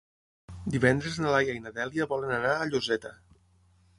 Divendres na Laia i na Dèlia volen anar a Lloseta.